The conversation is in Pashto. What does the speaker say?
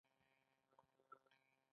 هغه د سونګ توکو پیسې هم ورکولې.